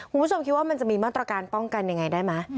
คุณผู้ชมคิดว่ามันจะมีมาตรการป้องกันยังไงได้ไหม